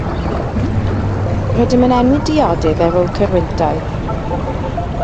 Rydym yn enwi diodydd ar ôl corwyntoedd.